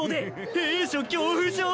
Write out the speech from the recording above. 閉所恐怖症！？